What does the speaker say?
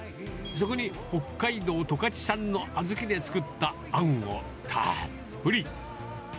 そこに北海道十勝産の小豆で作ったあんをたっぷり。